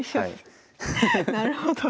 なるほど。